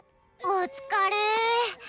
お疲れ！